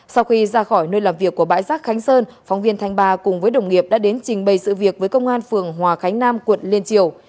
sau khi ra khỏi nơi làm việc của bãi rác khánh sơn phóng viên thanh ba cùng với đồng nghiệp đã đến trình bày sự việc với công an phường hòa khánh nam quận liên triều